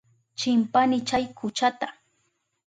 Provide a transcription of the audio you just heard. Chimpani chay kuchata.